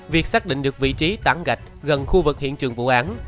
việc xác định được vị trí tảng gạch gần khu vực hiện trường vụ án